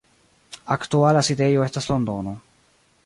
Aktuala sidejo estas Londono.